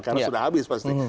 karena sudah habis pasti